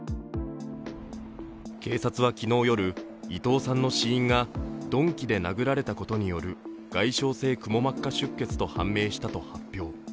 警察は昨日夜、伊藤さんの死因が鈍器で殴られたことによる外傷性くも膜下出血と判明したと発表。